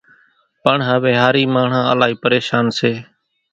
پڻ هويَ هارِي ماڻۿان الائِي پريشانَ سي۔